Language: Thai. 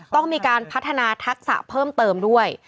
ต้องมีการพัฒนาทักษะเพิ่มเติมด้วย